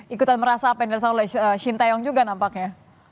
ikutan merasa apa yang dirasa oleh shin taeyong juga nampaknya